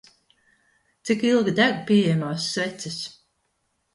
Cik ilgi deg pieejamās sveces?